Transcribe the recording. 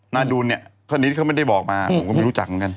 นาดูนเนี่ยสนิทเขาไม่ได้บอกมาผมก็ไม่รู้จักเหมือนกัน